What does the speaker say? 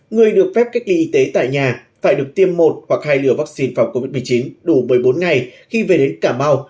người được phép cách ly y tế tại nhà phải được tiêm một hoặc hai liều vaccine phòng covid một mươi chín đủ một mươi bốn ngày khi về đến cà mau